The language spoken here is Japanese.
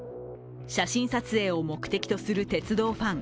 写真撮影を目的とする鉄道ファン